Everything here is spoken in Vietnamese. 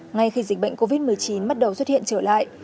ngay khi dịch bệnh covid một mươi chín bắt đầu xuất hiện trở lại